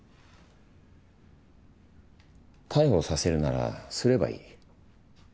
逮捕させるならすればいい。